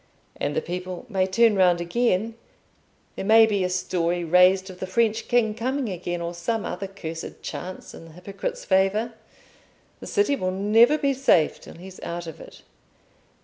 And the people may turn round again: there may be a story raised of the French king coming again, or some other cursed chance in the hypocrite's favour. The city will never be safe till he's out of it."